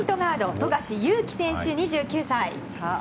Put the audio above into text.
富樫勇樹選手、２９歳。